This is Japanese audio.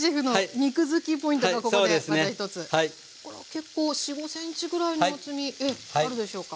結構４５ｃｍぐらいの厚みあるでしょうか。